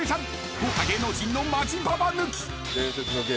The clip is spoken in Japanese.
豪華芸能人のマジババ抜き］